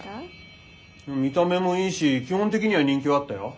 見た目もいいし基本的には人気はあったよ。